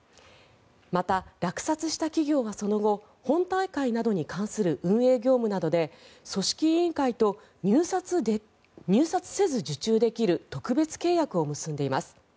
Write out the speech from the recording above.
また、落札した企業がその後本大会などに関する運営業務などで組織委員会と入札せず受注できる特別契約を結んでいます。